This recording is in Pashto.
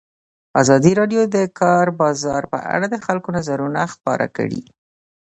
ازادي راډیو د د کار بازار په اړه د خلکو نظرونه خپاره کړي.